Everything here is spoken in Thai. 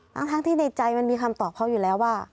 ทั้งที่ในใจมันมีคำตอบเขาอยู่แล้วว่า